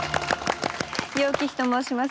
楊貴妃と申します。